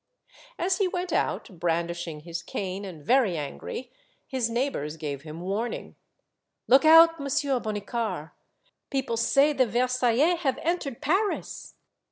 As he went out, brandishing his cane and very angry, his neighbors gave him warning, —" Look out. Monsieur Bonnicar ! People say the Versaillais have entered Paris."